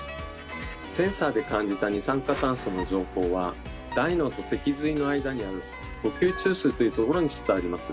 センサーで感じた二酸化炭素の情報は大脳と脊髄の間にある呼吸中枢というところに伝わります。